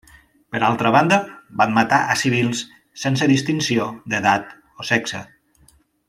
Per altra banda, van matar a civils sense distinció d'edat o sexe.